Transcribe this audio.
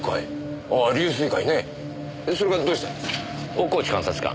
大河内監察官？